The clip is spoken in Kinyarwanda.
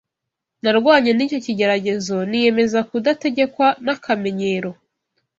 Narwanye n’icyo kigeragezo, niyemeza kudategekwa n’aka kamenyero.